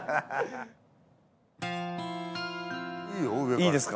いいですか？